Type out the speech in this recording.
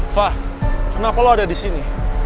fah kenapa lo ada disini